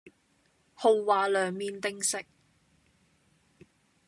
豪華涼麵定食